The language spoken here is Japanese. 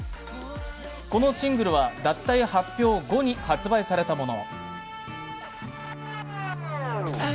このシングルは、脱退発表後に発売されたもの。